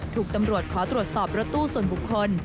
ถูกตำรวจขอตรวจสอบรถตู้ส่วนบุคคล